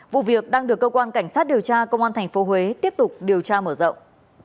vụ việc đang được cơ quan cảnh sát điều tra công an tp huế tiếp tục điều tra mở rộng